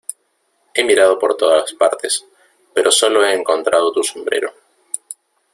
He mirado por todas partes, pero sólo he encontrado tu sombrero.